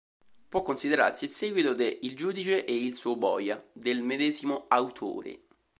Può considerarsi il seguito de "Il giudice e il suo boia" del medesimo autore.